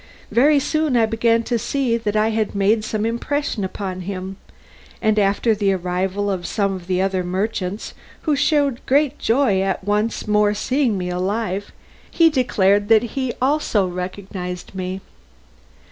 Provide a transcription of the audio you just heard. Very soon I began to see that I had made some impression upon him, and after the arrival of some of the other merchants, who showed great joy at once more seeing me alive, he declared that he also recognised me.